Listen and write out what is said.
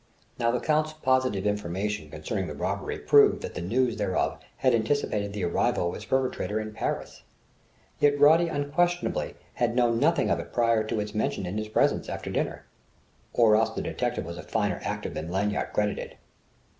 Now the Count's positive information concerning the robbery proved that the news thereof had anticipated the arrival of its perpetrator in Paris; yet Roddy unquestionably had known nothing of it prior to its mention in his presence, after dinner. Or else the detective was a finer actor than Lanyard credited.